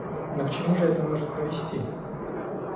Но к чему же это может повести?